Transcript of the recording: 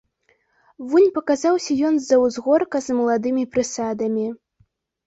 Вунь паказаўся ён з-за ўзгорка з маладымі прысадамі.